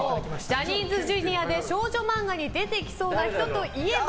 ジャニーズＪｒ．で少女漫画に出てきそうな人といえば？